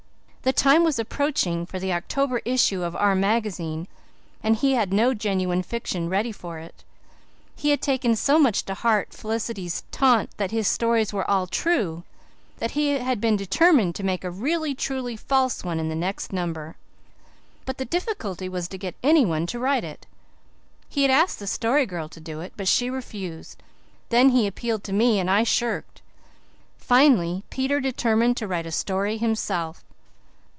The time was approaching for the October issue of Our Magazine and he had no genuine fiction ready for it. He had taken so much to heart Felicity's taunt that his stories were all true that he had determined to have a really truly false one in the next number. But the difficulty was to get anyone to write it. He had asked the Story Girl to do it, but she refused; then he appealed to me and I shirked. Finally Peter determined to write a story himself.